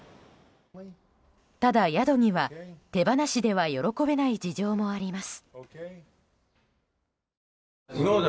ただ、宿には手放しでは喜べない事情もあります。